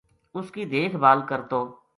اُس کی دیکھ بھال کرتو